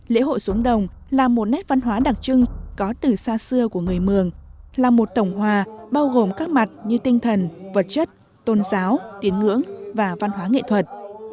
lễ hội xuống đồng là một nét văn hóa đặc trưng có từ xa xưa của người mường là một tổng hòa bao gồm các mặt như tinh thần vật chất tôn giáo tín ngưỡng và văn hóa nghệ thuật